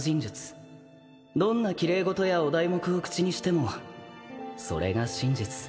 どんな奇麗事やお題目を口にしてもそれが真実